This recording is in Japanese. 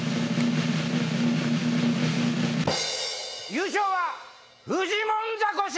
優勝はフジモンザコシ！